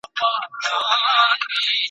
د همدې چوخې په زور لنګرچلیږي `